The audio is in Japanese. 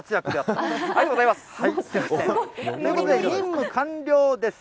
ということで、任務完了です。